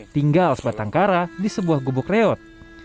tinggal sebatang kara di sebuah gubuk reot